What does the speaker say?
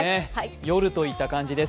夜といった感じです。